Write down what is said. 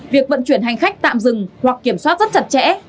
việc vận chuyển hành khách tạm dừng hoặc kiểm soát rất chặt chẽ